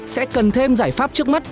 sẽ cần thêm giải pháp trước mắt